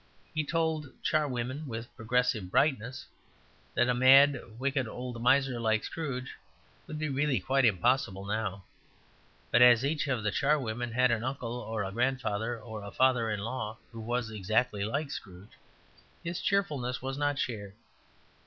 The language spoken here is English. He told the charwomen, with progressive brightness, that a mad wicked old miser like Scrooge would be really quite impossible now; but as each of the charwomen had an uncle or a grandfather or a father in law who was exactly like Scrooge, his cheerfulness was not shared.